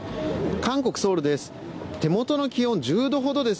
韓国ソウルです。